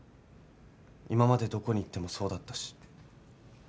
今までどこに行ってもそうだったし。